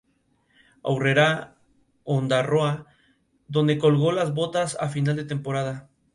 Ha sido nominado dos veces para los Directors Guild of America Premio.